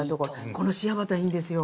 このシアバターいいんですよ。